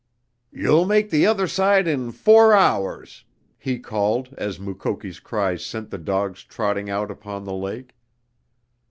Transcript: "You'll make the other side in four hours," he called, as Mukoki's cries sent the dogs trotting out upon the lake.